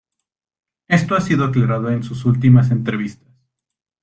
Esto ha sido aclarado en sus últimas entrevistas.